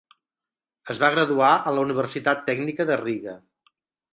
Es va graduar a la Universitat Tècnica de Riga.